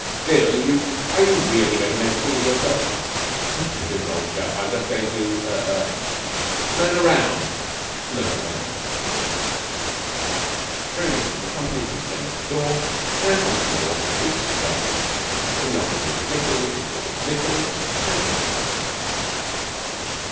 'Bill, are you really going to make a fool of yourself?' 'Not a bit of it, old chap. I'm just going to er ' 'To nose round?' 'To nose round,' said Bill. Jerry Nichols accompanied his friend to the door, and once more peace reigned in the offices of Nichols, Nichols, Nichols, and Nichols.